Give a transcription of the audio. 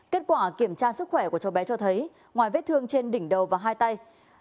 kết quả kiểm tra sức khỏe của cháu bé cho thấy ngoài vết thương trên đỉnh đầu và hai tay